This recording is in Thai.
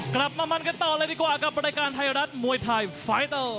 กลับมามันกันต่อเลยดีกว่ากับรายการไทยรัฐมวยไทยไฟเตอร์